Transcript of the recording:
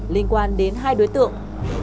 linh quan đến hai đối tượng